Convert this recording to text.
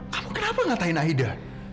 kamu kenapa ngatain aida